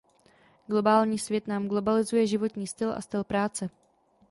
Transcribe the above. Globální svět nám globalizuje životní styl a styl práce.